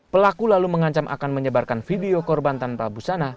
pelaku lalu mengancam akan menyebarkan video korban tanpa busana